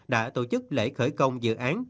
đã tổ chức lễ khởi công dự án